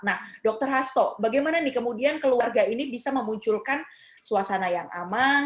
nah dr hasto bagaimana nih kemudian keluarga ini bisa memunculkan suasana yang aman